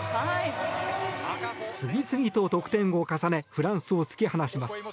次々と得点を重ねフランスを突き放します。